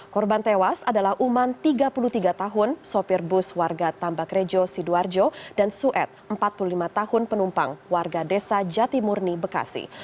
korban tewas adalah uman tiga puluh tiga tahun sopir bus warga tambak rejo sidoarjo dan sued empat puluh lima tahun penumpang warga desa jatimurni bekasi